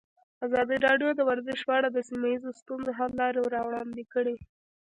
ازادي راډیو د ورزش په اړه د سیمه ییزو ستونزو حل لارې راوړاندې کړې.